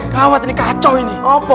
gawat ini kacau ini